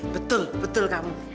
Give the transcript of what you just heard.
betul betul kamu